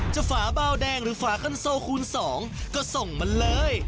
จะฝาบาลแดงหรือฝากันโซลคูณสองก็ส่งมันเลย